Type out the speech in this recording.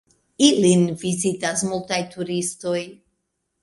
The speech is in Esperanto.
Ilin vizitas multaj turistoj.